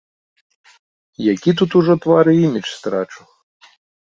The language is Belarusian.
Які тут ужо твар і імідж страчу?